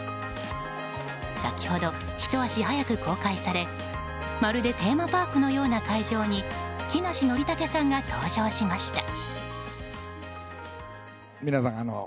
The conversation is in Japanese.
先ほどひと足早く公開されまるでテーマーパークのような会場に木梨憲武さんが登場しました。